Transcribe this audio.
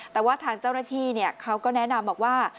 แต่ว่าทางเจ้าหน้าที่เขาก็แนะนำบอกว่า